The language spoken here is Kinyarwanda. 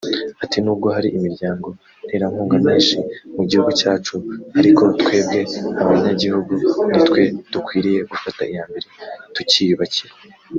Ati”Nubwo hari imiryango nterankunga myinshi mugiguhu cyacu ariko twebwe abanyagihugu nitwe dukwiriye gufata iya mbere tucyiyubakira